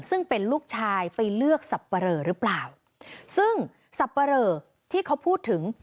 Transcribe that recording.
ซึ่งเป็นลูกชายไปเลือกสับปะเรอหรือเปล่าซึ่งสับปะเรอที่เขาพูดถึง